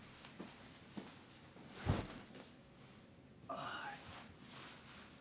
ああ。